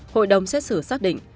hội đồng xét xử xác định